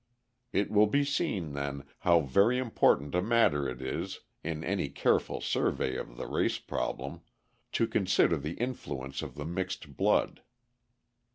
It will be seen, then, how very important a matter it is, in any careful survey of the race problem, to consider the influence of the mixed blood.